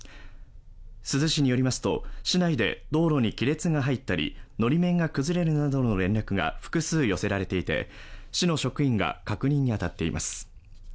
珠洲市によりますと、市内で道路に亀裂が入ったりのり面が崩れるなどの連絡が複数寄せられていて、市の職員が確認に当たっています。